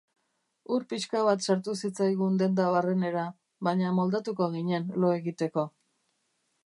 Ur pixka bat sartu zitzaigun denda barrenera, baina moldatuko ginen lo egiteko.